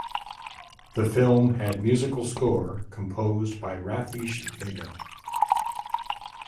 The film had musical score composed by Ratheesh Vega.